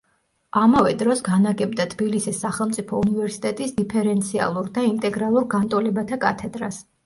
ამავე დროს განაგებდა თბილისის სახელმწიფო უნივერსიტეტის დიფერენციალურ და ინტეგრალურ განტოლებათა კათედრას.